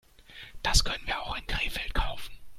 Das können wir auch in Krefeld kaufen